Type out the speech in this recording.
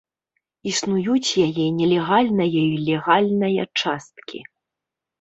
Існуюць яе нелегальная і легальная часткі.